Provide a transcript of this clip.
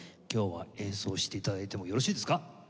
今日は演奏して頂いてもよろしいですか？